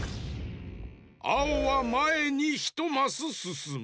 あおはまえにひとマスすすむ。